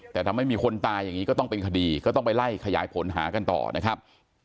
แต่ทำให้มีคนตายอย่างนี้ก็ต้องเป็นคดีก็ต้องไปไล่ขยายผลหากันต่อนะครับ